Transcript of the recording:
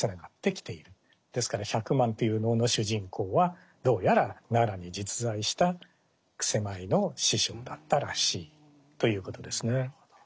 ですから百万っていう能の主人公はどうやら奈良に実在した曲舞の師匠だったらしいということですね。